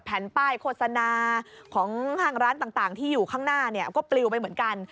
ป้ายโฆษณาของห้างร้านต่างที่อยู่ข้างหน้าเนี่ยก็ปลิวไปเหมือนกัน